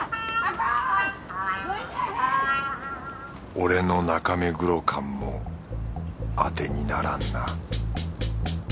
俺の中目黒観もアテにならんな